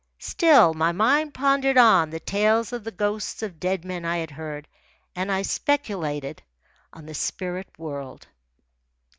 Still, my mind pondered on the tales of the ghosts of dead men I had heard, and I speculated on the spirit world.